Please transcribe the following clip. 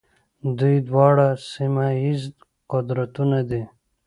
دوی دواړه سیمه ییز قدرتونه دي.